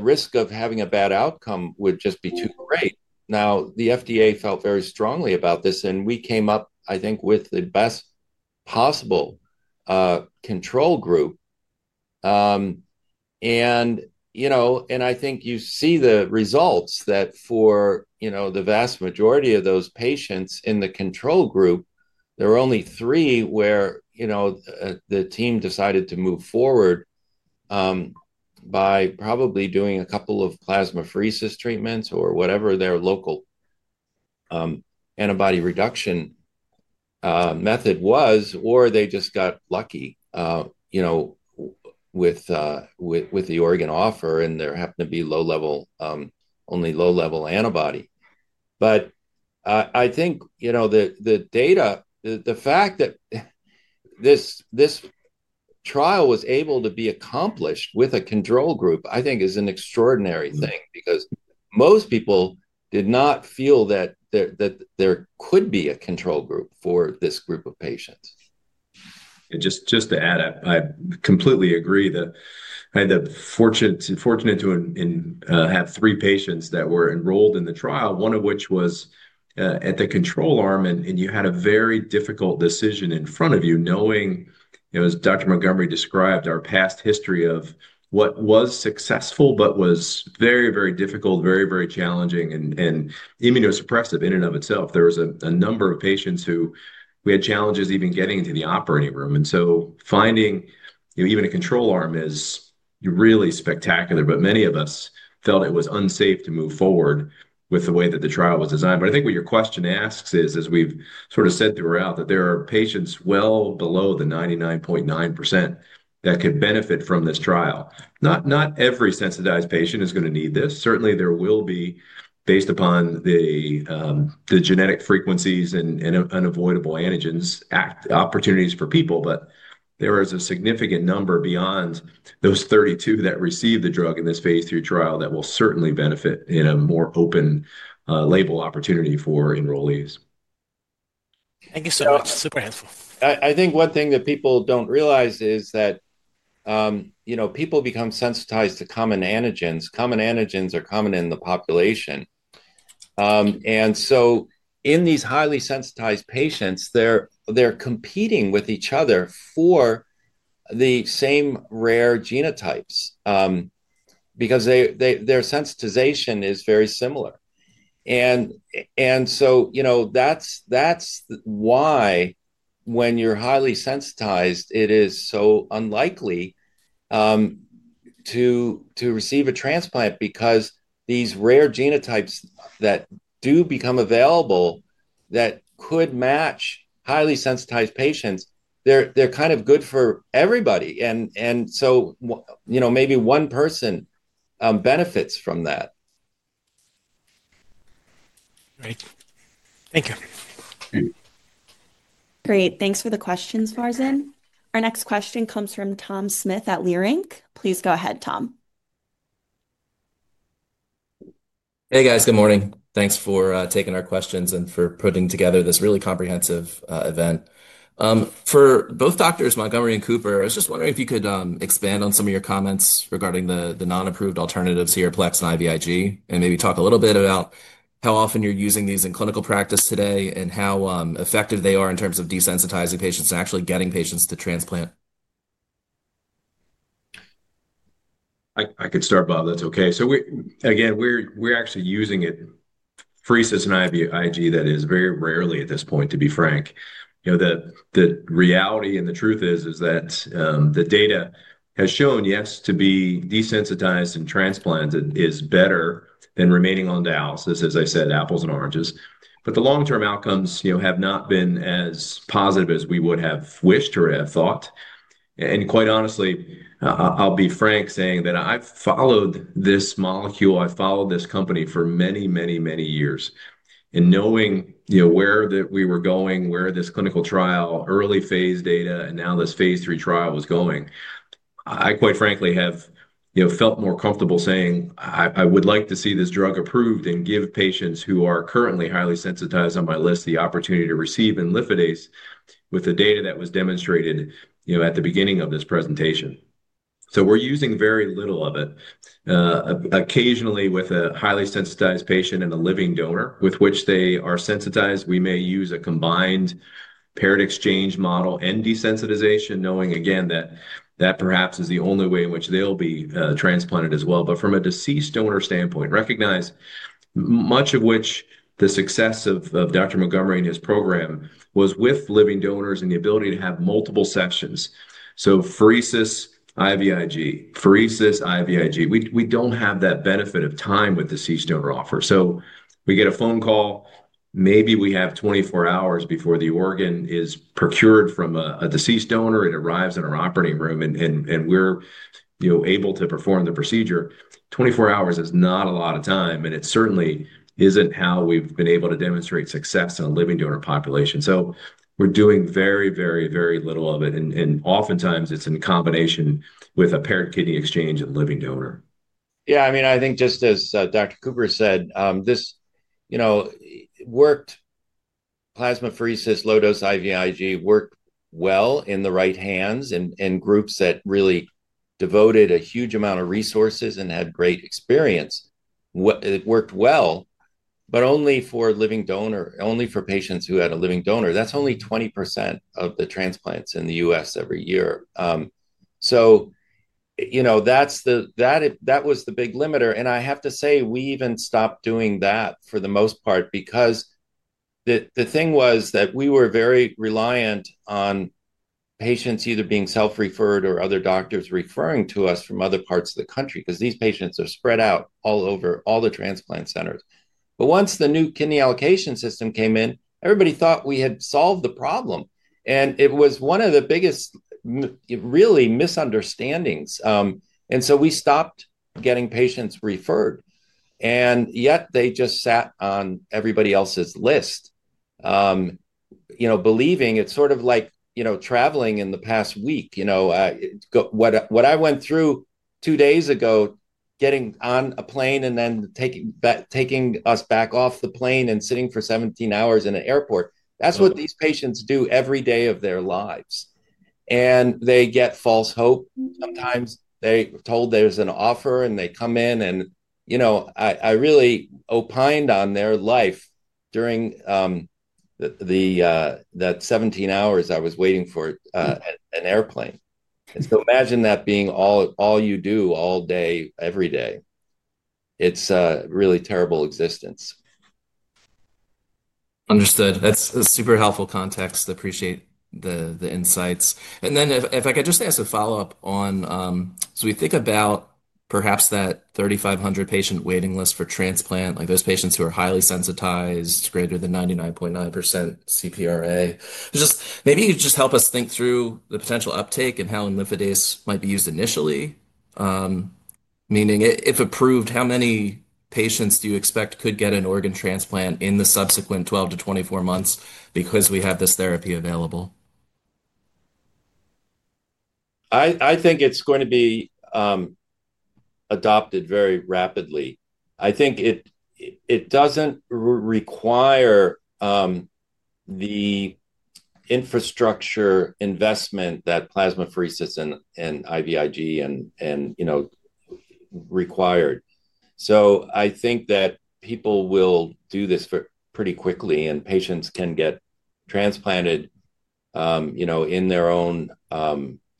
risk of having a bad outcome would just be too great. The FDA felt very strongly about this, and we came up, I think, with the best possible control group. I think you see the results that for the vast majority of those patients in the control group, there were only three where the team decided to move forward by probably doing a couple of plasmapheresis treatments or whatever their local antibody reduction method was, or they just got lucky with the organ offer, and there happened to be only low-level antibody. I think the data, the fact that this trial was able to be accomplished with a control group, is an extraordinary thing because most people did not feel that there could be a control group for this group of patients. Just to add, I completely agree. I had the fortune to have three patients that were enrolled in the trial, one of which was at the control arm, and you had a very difficult decision in front of you, knowing, as Dr. Montgomery described our past history of what was successful but was very, very difficult, very, very challenging, and immunosuppressive in and of itself. There was a number of patients who we had challenges even getting into the operating room. Finding even a control arm is really spectacular, but many of us felt it was unsafe to move forward with the way that the trial was designed. I think what your question asks is, as we've sort of said throughout, that there are patients well below the 99.9% that could benefit from this trial. Not every sensitized patient is going to need this. Certainly, there will be, based upon the genetic frequencies and unavoidable antigens, opportunities for people, but there is a significant number beyond those 32 that receive the drug in this phase three trial that will certainly benefit in a more open-label opportunity for enrollees. Thank you so much. Super helpful. I think one thing that people do not realize is that people become sensitized to common antigens. Common antigens are common in the population. In these highly sensitized patients, they are competing with each other for the same rare genotypes because their sensitization is very similar. That is why when you are highly sensitized, it is so unlikely to receive a transplant because these rare genotypes that do become available that could match highly sensitized patients, they are kind of good for everybody. Maybe one person benefits from that. Great. Thank you. Great. Thanks for the questions, Farzin. Our next question comes from Tom Smith at Leerink Partners. Please go ahead, Tom. Hey, guys. Good morning. Thanks for taking our questions and for putting together this really comprehensive event. For both doctors, Montgomery and Cooper, I was just wondering if you could expand on some of your comments regarding the non-approved alternatives here, PLEX and IVIg, and maybe talk a little bit about how often you're using these in clinical practice today and how effective they are in terms of desensitizing patients and actually getting patients to transplant. I could start, Bob. That's okay. Again, we're actually using it, pheresis and IVIg, that is very rarely at this point, to be frank. The reality and the truth is that the data has shown, yes, to be desensitized and transplanted is better than remaining on dialysis, as I said, apples and oranges. The long-term outcomes have not been as positive as we would have wished or have thought. Quite honestly, I'll be frank saying that I've followed this molecule, I've followed this company for many, many, many years. Knowing where we were going, where this clinical trial, early phase data, and now this phase three trial was going, I quite frankly have felt more comfortable saying, "I would like to see this drug approved and give patients who are currently highly sensitized on my list the opportunity to receive imlifidase with the data that was demonstrated at the beginning of this presentation." We are using very little of it. Occasionally, with a highly sensitized patient and a living donor with which they are sensitized, we may use a combined paired exchange model and desensitization, knowing, again, that that perhaps is the only way in which they will be transplanted as well. From a deceased donor standpoint, recognize much of which the success of Dr. Montgomery and his program was with living donors and the ability to have multiple sessions. Pheresis IVIg, pheresis IVIg. We do not have that benefit of time with deceased donor offer. We get a phone call, maybe we have 24 hours before the organ is procured from a deceased donor, it arrives in our operating room, and we are able to perform the procedure. Twenty-four hours is not a lot of time, and it certainly is not how we have been able to demonstrate success in a living donor population. We are doing very, very, very little of it. Oftentimes, it is in combination with a paired kidney exchange and living donor. Yeah. I mean, I think just as Dr. Cooper said, this worked, plasmapheresis, low-dose IVIg worked well in the right hands and groups that really devoted a huge amount of resources and had great experience. It worked well, but only for living donor, only for patients who had a living donor. That's only 20% of the transplants in the U.S. every year. That was the big limiter. I have to say, we even stopped doing that for the most part because the thing was that we were very reliant on patients either being self-referred or other doctors referring to us from other parts of the country because these patients are spread out all over all the transplant centers. Once the new kidney allocation system came in, everybody thought we had solved the problem. It was one of the biggest really misunderstandings. We stopped getting patients referred. Yet, they just sat on everybody else's list, believing it's sort of like traveling in the past week. What I went through two days ago, getting on a plane and then taking us back off the plane and sitting for 17 hours in an airport, that's what these patients do every day of their lives. They get false hope. Sometimes they were told there's an offer, and they come in. I really opined on their life during that 17 hours I was waiting for an airplane. Imagine that being all you do all day, every day. It's a really terrible existence. Understood. That's super helpful context. Appreciate the insights. If I could just ask a follow-up on, so we think about perhaps that 3,500-patient waiting list for transplant, those patients who are highly sensitized, greater than 99.9% CPRA. Maybe you just help us think through the potential uptake and how imlifidase might be used initially, meaning if approved, how many patients do you expect could get an organ transplant in the subsequent 12 to 24 months because we have this therapy available? I think it's going to be adopted very rapidly. I think it doesn't require the infrastructure investment that plasmapheresis and IVIg required. I think that people will do this pretty quickly, and patients can get transplanted in their own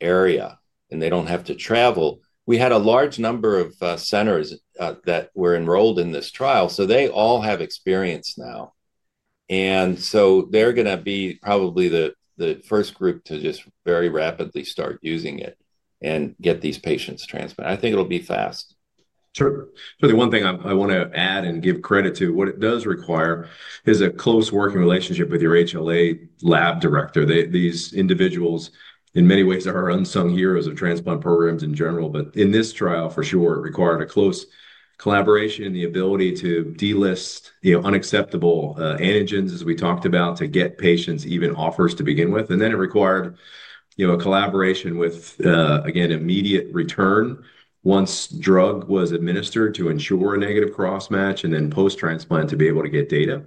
area, and they don't have to travel. We had a large number of centers that were enrolled in this trial, so they all have experience now. They are going to be probably the first group to just very rapidly start using it and get these patients transplanted. I think it'll be fast. Certainly. One thing I want to add and give credit to, what it does require is a close working relationship with your HLA lab director. These individuals, in many ways, are unsung heroes of transplant programs in general. In this trial, for sure, it required a close collaboration, the ability to delist unacceptable antigens, as we talked about, to get patients even offers to begin with. It required a collaboration with, again, immediate return once drug was administered to ensure a negative cross-match and then post-transplant to be able to get data.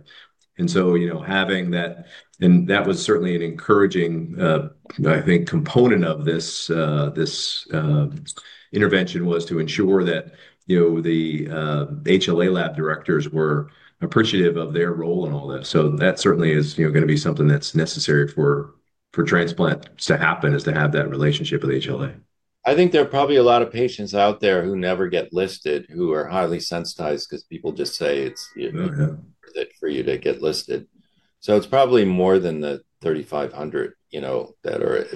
Having that, and that was certainly an encouraging, I think, component of this intervention was to ensure that the HLA lab directors were appreciative of their role and all that. That certainly is going to be something that's necessary for transplants to happen is to have that relationship with HLA. I think there are probably a lot of patients out there who never get listed who are highly sensitized because people just say it's for you to get listed. So it's probably more than the 3,500 that are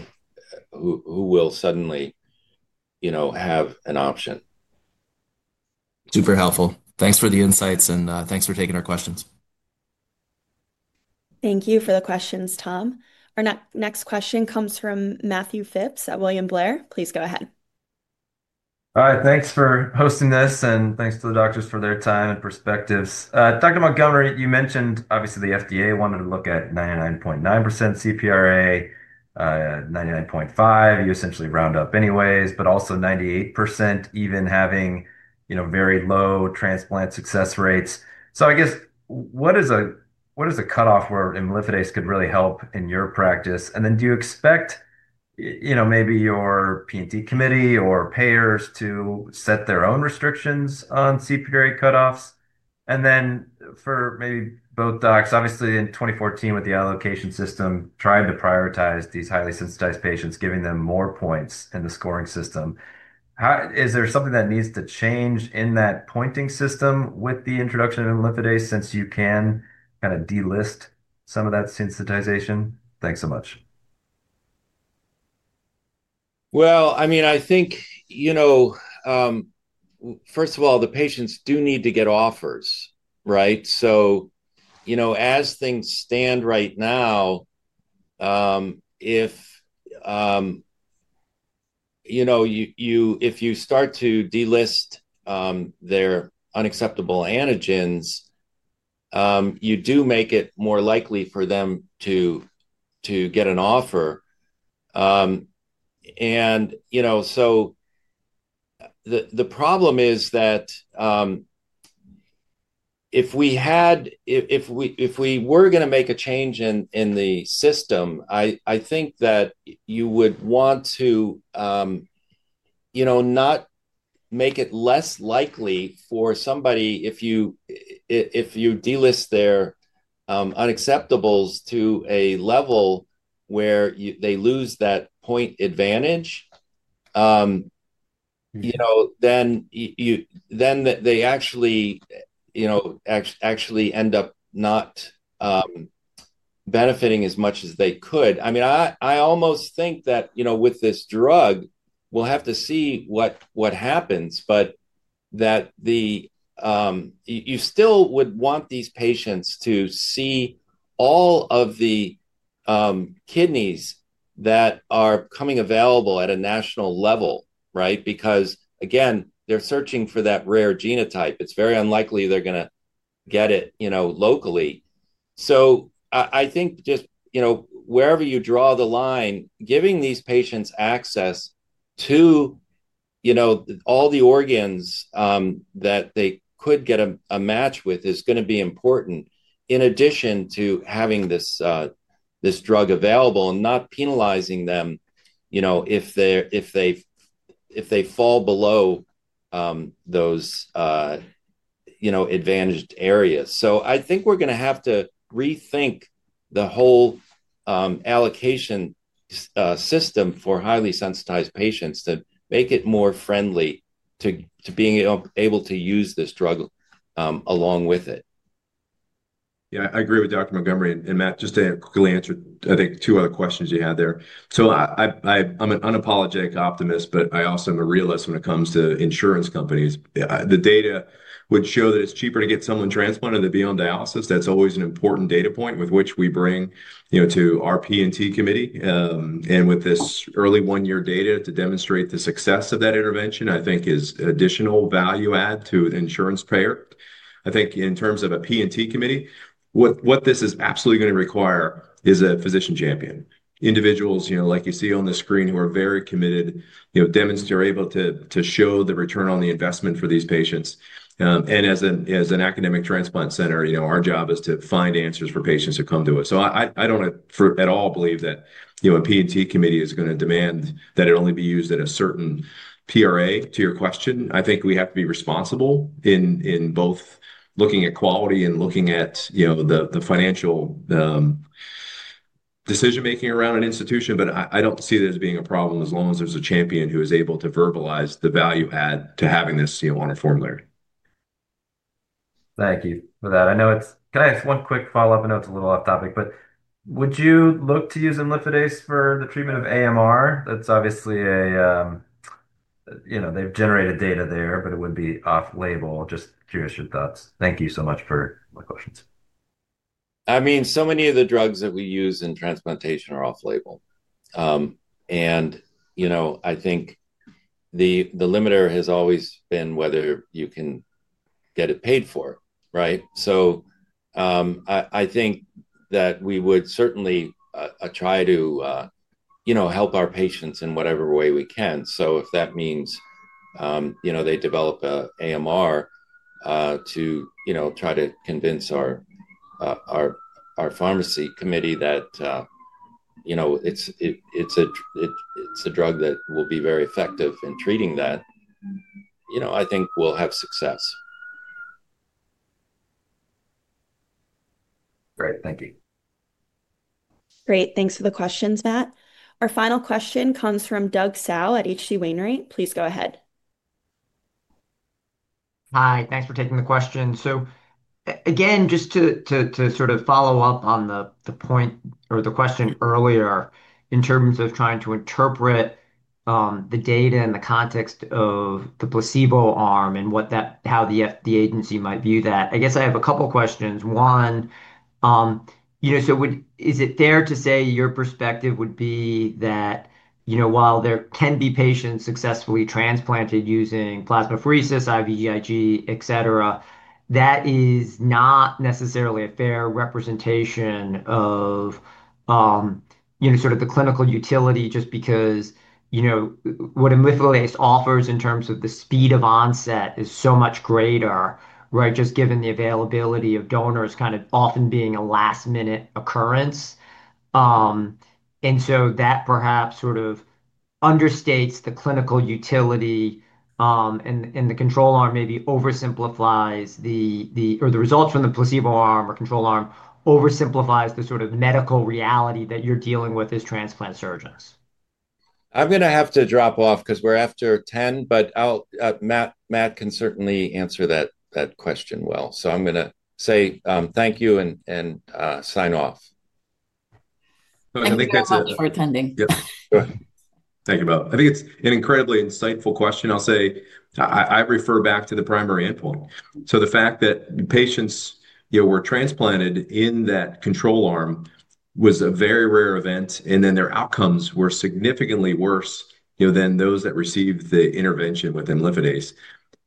who will suddenly have an option. Super helpful. Thanks for the insights, and thanks for taking our questions. Thank you for the questions, Tom. Our next question comes from Matthew Phipps at William Blair. Please go ahead. All right. Thanks for hosting this, and thanks to the doctors for their time and perspectives. Dr. Montgomery, you mentioned, obviously, the FDA wanted to look at 99.9% CPRA, 99.5%. You essentially round up anyways, but also 98% even having very low transplant success rates. I guess, what is a cutoff where imlifidase could really help in your practice? Do you expect maybe your P&T committee or payers to set their own restrictions on CPRA cutoffs? For maybe both docs, obviously, in 2014, with the allocation system, tried to prioritize these highly sensitized patients, giving them more points in the scoring system. Is there something that needs to change in that pointing system with the introduction of imlifidase since you can kind of delist some of that sensitization? Thanks so much. I mean, I think, first of all, the patients do need to get offers, right? As things stand right now, if you start to delist their unacceptable antigens, you do make it more likely for them to get an offer. The problem is that if we were going to make a change in the system, I think that you would want to not make it less likely for somebody if you delist their unacceptables to a level where they lose that point advantage, then they actually end up not benefiting as much as they could. I mean, I almost think that with this drug, we'll have to see what happens, but that you still would want these patients to see all of the kidneys that are coming available at a national level, right? Because, again, they're searching for that rare genotype. It's very unlikely they're going to get it locally. I think just wherever you draw the line, giving these patients access to all the organs that they could get a match with is going to be important in addition to having this drug available and not penalizing them if they fall below those advantaged areas. I think we're going to have to rethink the whole allocation system for highly sensitized patients to make it more friendly to being able to use this drug along with it. Yeah. I agree with Dr. Montgomery. Matt, just to quickly answer, I think, two other questions you had there. I'm an unapologetic optimist, but I also am a realist when it comes to insurance companies. The data would show that it's cheaper to get someone transplanted than be on dialysis. That's always an important data point with which we bring to our P&T committee. With this early one-year data to demonstrate the success of that intervention, I think, is additional value add to the insurance payer. I think in terms of a P&T committee, what this is absolutely going to require is a physician champion, individuals like you see on the screen who are very committed, are able to show the return on the investment for these patients. As an academic transplant center, our job is to find answers for patients who come to us. I do not at all believe that a P&T committee is going to demand that it only be used at a certain PRA. To your question, I think we have to be responsible in both looking at quality and looking at the financial decision-making around an institution. I do not see that as being a problem as long as there is a champion who is able to verbalize the value add to having this on a formulary. Thank you for that. I know it's, can I ask one quick follow-up? I know it's a little off topic, but would you look to use imlifidase for the treatment of AMR? That's obviously a, they've generated data there, but it would be off-label. Just curious your thoughts. Thank you so much for my questions. I mean, so many of the drugs that we use in transplantation are off-label. I think the limiter has always been whether you can get it paid for, right? I think that we would certainly try to help our patients in whatever way we can. If that means they develop an AMR to try to convince our pharmacy committee that it's a drug that will be very effective in treating that, I think we'll have success. Great. Thank you. Great. Thanks for the questions, Matt. Our final question comes from Doug Tsao at H.C. Wainwright. Please go ahead. Hi. Thanks for taking the question. Just to sort of follow up on the point or the question earlier in terms of trying to interpret the data in the context of the placebo arm and how the agency might view that, I guess I have a couple of questions. One, is it fair to say your perspective would be that while there can be patients successfully transplanted using plasmapheresis, IVIg, etc., that is not necessarily a fair representation of sort of the clinical utility just because what imlifidase offers in terms of the speed of onset is so much greater, right, just given the availability of donors kind of often being a last-minute occurrence. That perhaps sort of understates the clinical utility. The control arm maybe oversimplifies the or the results from the placebo arm or control arm oversimplifies the sort of medical reality that you're dealing with as transplant surgeons. I'm going to have to drop off because we're after 10:00, but Matt can certainly answer that question well. So I'm going to say thank you and sign off. Thank you for attending. Yep. Thank you, Bill. I think it's an incredibly insightful question. I'll say I refer back to the primary endpoint. The fact that patients were transplanted in that control arm was a very rare event, and then their outcomes were significantly worse than those that received the intervention with imlifidase.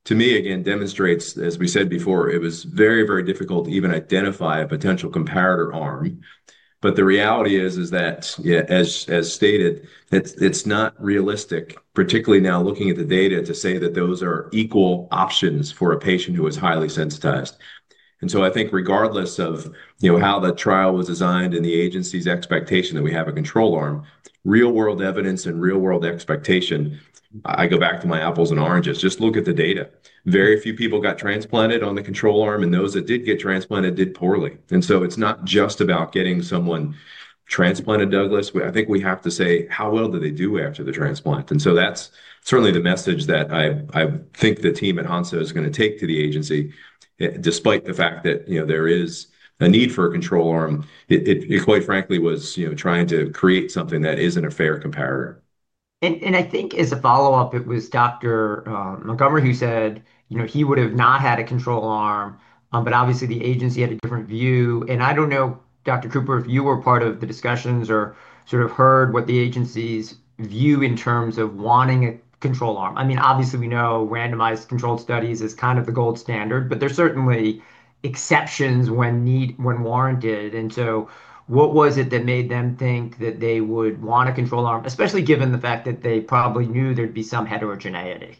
To me, again, demonstrates, as we said before, it was very, very difficult to even identify a potential comparator arm. The reality is that, as stated, it's not realistic, particularly now looking at the data, to say that those are equal options for a patient who is highly sensitized. I think regardless of how the trial was designed and the agency's expectation that we have a control arm, real-world evidence and real-world expectation, I go back to my apples and oranges. Just look at the data. Very few people got transplanted on the control arm, and those that did get transplanted did poorly. It is not just about getting someone transplanted, Douglas. I think we have to say, how well did they do after the transplant? That is certainly the message that I think the team at Hansa is going to take to the agency, despite the fact that there is a need for a control arm. It, quite frankly, was trying to create something that is not a fair comparator. I think as a follow-up, it was Dr. Montgomery who said he would have not had a control arm, but obviously, the agency had a different view. I don't know, Dr. Cooper, if you were part of the discussions or sort of heard what the agency's view in terms of wanting a control arm. I mean, obviously, we know randomized controlled studies is kind of the gold standard, but there's certainly exceptions when warranted. What was it that made them think that they would want a control arm, especially given the fact that they probably knew there'd be some heterogeneity?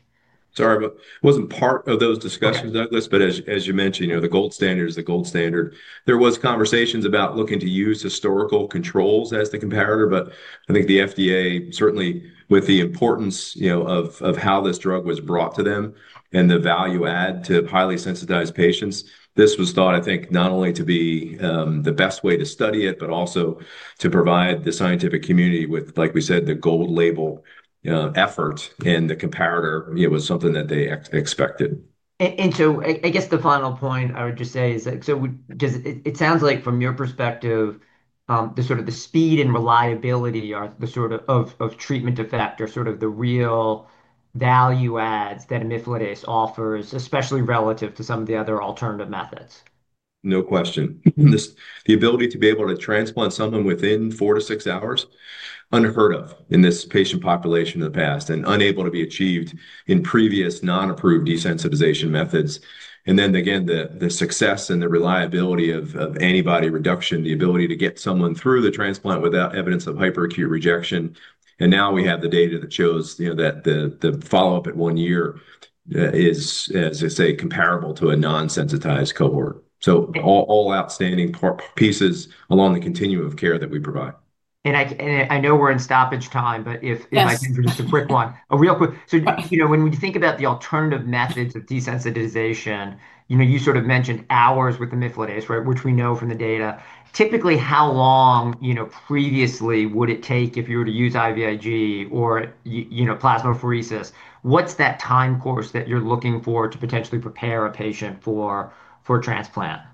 Sorry, but I wasn't part of those discussions, Douglas, but as you mentioned, the gold standard is the gold standard. There were conversations about looking to use historical controls as the comparator, but I think the FDA, certainly with the importance of how this drug was brought to them and the value add to highly sensitized patients, this was thought, I think, not only to be the best way to study it, but also to provide the scientific community with, like we said, the gold label effort and the comparator was something that they expected. I guess the final point I would just say is that it sounds like from your perspective, the sort of speed and reliability of treatment effect are sort of the real value adds that imlifidase offers, especially relative to some of the other alternative methods. No question. The ability to be able to transplant someone within four to six hours is unheard of in this patient population in the past and unable to be achieved in previous non-approved desensitization methods. Again, the success and the reliability of antibody reduction, the ability to get someone through the transplant without evidence of hyperacute rejection. Now we have the data that shows that the follow-up at one year is, as I say, comparable to a non-sensitized cohort. All outstanding pieces along the continuum of care that we provide. I know we're in stoppage time, but if I can introduce a quick one, a real quick. When we think about the alternative methods of desensitization, you sort of mentioned ours with imlifidase, right, which we know from the data. Typically, how long previously would it take if you were to use IVIg or plasmapheresis? What's that time course that you're looking for to potentially prepare a patient for transplant? I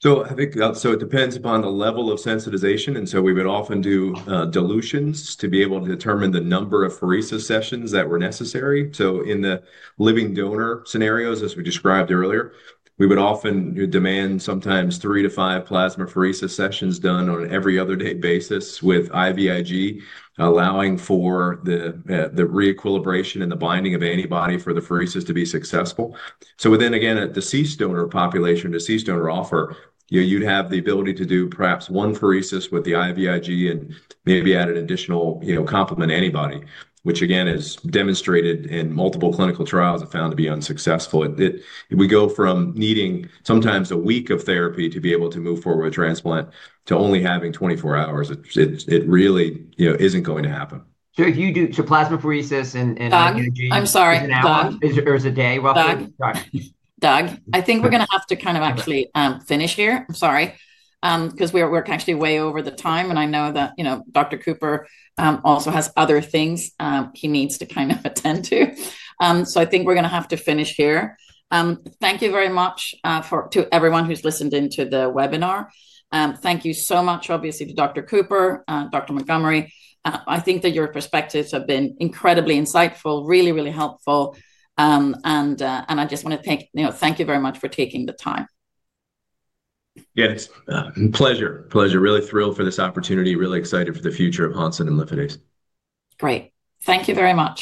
think it depends upon the level of sensitization. We would often do dilutions to be able to determine the number of pheresis sessions that were necessary. In the living donor scenarios, as we described earlier, we would often demand sometimes three to five plasmapheresis sessions done on an every-other-day basis with IVIg, allowing for the reequilibration and the binding of antibody for the pheresis to be successful. Then, again, at the case donor population, the case donor offer, you'd have the ability to do perhaps one pheresis with the IVIg and maybe add an additional complement antibody, which, again, is demonstrated in multiple clinical trials and found to be unsuccessful. We go from needing sometimes a week of therapy to be able to move forward with transplant to only having 24 hours. It really isn't going to happen. Plasmapheresis and IVIg. Doug. I'm sorry. Doug. Or is it Day? Doug. Sorry. Doug. I think we're going to have to kind of actually finish here. I'm sorry because we're actually way over the time. I know that Dr. Cooper also has other things he needs to kind of attend to. I think we're going to have to finish here. Thank you very much to everyone who's listened into the webinar. Thank you so much, obviously, to Dr. Cooper, Dr. Montgomery. I think that your perspectives have been incredibly insightful, really, really helpful. I just want to thank you very much for taking the time. Yes. Pleasure. Really thrilled for this opportunity, really excited for the future of Hansa and amyloid phase. Great. Thank you very much.